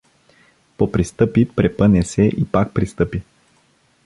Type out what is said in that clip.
Попристъпи, препъне се и пак пристъпи.